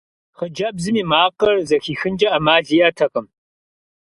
Хъыджэбзым и макъыр зэхихынкӀэ Ӏэмал иӀэтэкъым.